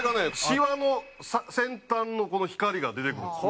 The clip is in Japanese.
シワの先端のこの光が出てくるんです